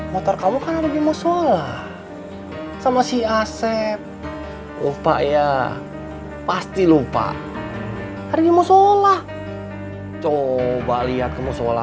motor kamu kan ada di mosola sama si asep lupa ya pasti lupa ada di mosola coba lihat ke mosola